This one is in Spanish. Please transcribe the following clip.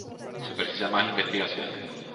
Se precisan más investigaciones.